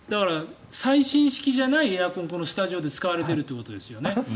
最新式じゃないエアコンがこのスタジオで使われているということですよね。